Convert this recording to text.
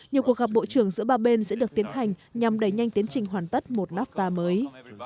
nhiều cuộc gặp bộ trưởng giữa ba bên sẽ được tiến hành nhằm đẩy nhanh tiến trình hoàn tất một nafta mới